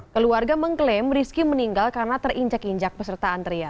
keluarga mengklaim rizky meninggal karena terinjak injak peserta antrian